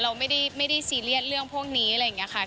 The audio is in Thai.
เราไม่ได้ซีเรียสเรื่องพวกนี้อะไรอย่างนี้ค่ะ